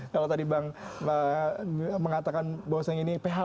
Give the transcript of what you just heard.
kalau tadi bang mengatakan bahwa seorang ini php ya gitu kan